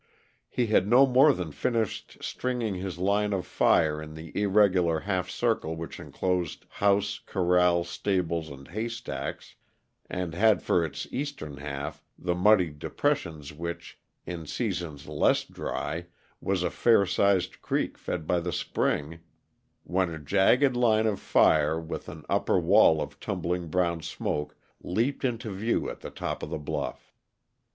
He had no more than finished stringing his line of fire in the irregular half circle which enclosed house, corral, stables, and haystacks, and had for its eastern half the muddy depression which, in seasons less dry, was a fair sized creek fed by the spring, when a jagged line of fire with an upper wall of tumbling, brown smoke, leaped into view at the top of the bluff.